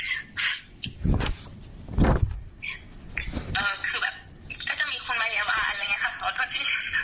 คือแบบเอ่อคือแบบก็จะมีคุณพยาบาลนะเนี่ยค่ะ